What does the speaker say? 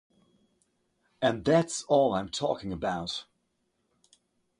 And that's all I'm talking about.